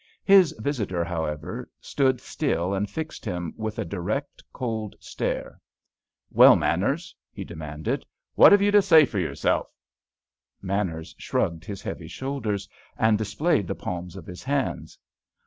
His visitor, however, stood still and fixed him with a direct, cold stare. "Well, Manners," he demanded, "what have you to say for yourself?" Manners shrugged his heavy shoulders, and displayed the palms of his hands.